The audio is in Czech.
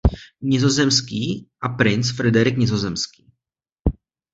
Nizozemský a princ Frederick Nizozemský.